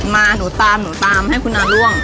มาหนูตามให้คุณน้าร่วง